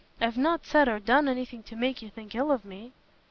I've not said or done anything to make you think ill of me?"